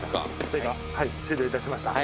「終了いたしました」